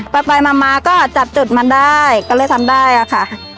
ไปไปมามาก็จับจุดมันได้ก็เลยทำได้อะค่ะ